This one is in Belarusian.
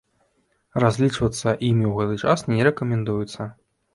Разлічвацца імі ў гэты час не рэкамендуецца.